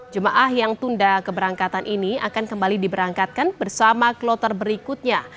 jemaah yang tunda keberangkatan ini akan kembali diberangkatkan bersama kloter berikutnya